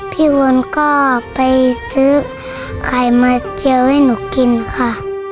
วนก็ไปซื้อไข่มาเจียวให้หนูกินค่ะ